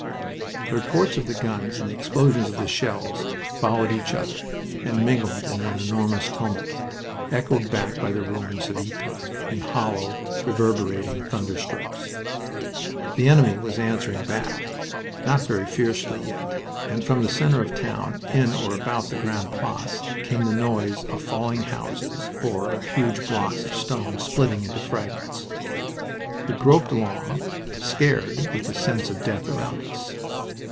The reports of the guns and the explosions of the shells followed each other, and mingled in an enormous tumult, echoed back by the ruins of Ypres in hollow, reverberating thunder strokes. The enemy was answering back, not very fiercely yet, and from the center of the town, in or about the Grande Place, came the noise of falling houses or of huge blocks of stone splitting into fragments. We groped along, scared with the sense of death around us.